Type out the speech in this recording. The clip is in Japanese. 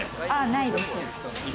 ないです。